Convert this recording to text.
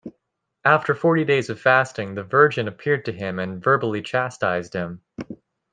After forty days of fasting, the Virgin appeared to him and verbally chastised him.